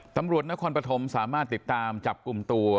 ตำรวจนครปฐมสามารถติดตามจับกลุ่มตัว